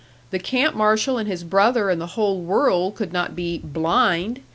The camp marshal and his brother and the whole world could not be "blind!"